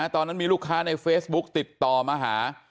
ตอนนั้นมีลูกค้าในเฟซบุ๊กติดต่อมาหา